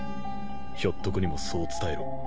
ひょっとこにもそう伝えろ。